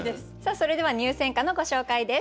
それでは入選歌のご紹介です。